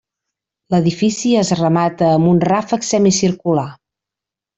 L'edifici es remata amb un ràfec semicircular.